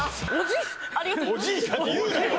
「おじいさん」って言うなよ